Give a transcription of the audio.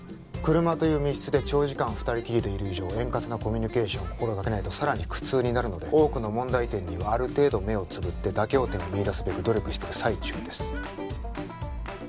車という密室で長時間二人きりでいる以上円滑なコミュニケーションを心がけないとさらに苦痛になるので多くの問題点にはある程度目をつぶって妥協点を見いだすべく努力してる最中です